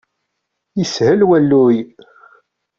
Ishel walluy.